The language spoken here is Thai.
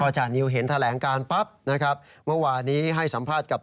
พอจานิวเห็นแถลงการเป็นปั๊บนะครับ